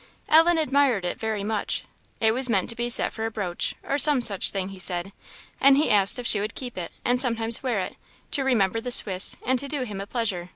Ellen admired it very much. It was meant to be set for a brooch, or some such thing, he said, and he asked if she would keep it and sometimes wear it, to "remember the Swiss, and to do him a pleasure."